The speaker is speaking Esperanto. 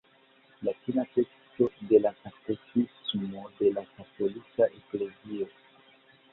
Latina teksto de la katekismo de la katolika eklezio.